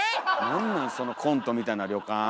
なんなんそのコントみたいな旅館。